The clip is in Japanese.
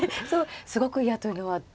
すごく嫌というのはどう。